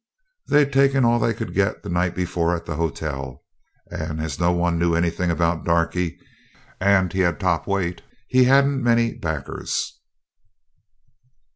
They'd taken all they could get the night before at the hotel; and as no one knew anything about Darkie, and he had top weight, he hadn't many backers.